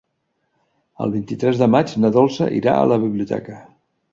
El vint-i-tres de maig na Dolça irà a la biblioteca.